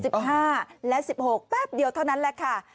และสิบหกแป๊บเดียวเท่านั้นแหละค่ะ